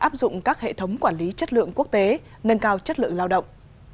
áp dụng các hệ thống quản lý chất lượng quốc tế nâng cao chất lượng lao động